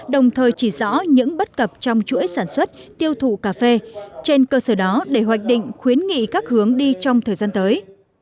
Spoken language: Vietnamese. đồng thời chỉ rõ những bất cập trong chuỗi sản xuất tiêu thụ cà phê trên cơ sở đó để hoạch định khuyến nghị các hướng đi trong thời gian tới